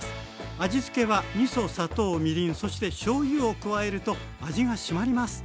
味付けはみそ砂糖みりんそしてしょうゆを加えると味が締まります。